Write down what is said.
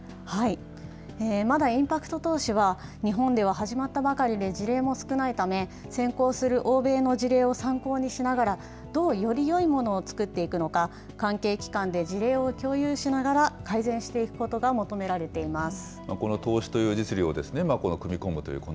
まだインパクト投資は日本では始まったばかりで事例も少ないため、先行する欧米の事例を参考にしながら、どうよりよいものを作っていくのか、関係機関で事例を共有しながら、改善していくことが求められています。